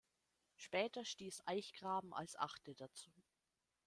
Später stieß Eichgraben als achte dazu.